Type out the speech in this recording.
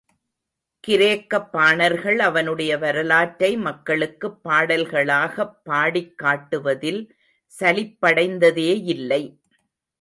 கிரேக்கப் பாணர்கள் அவனுடைய வரலாற்றை மக்களுக்குப் பாடல்களாகப் பாடிக் காட்டுவதில் சலிப்படைந்ததேயில்லை.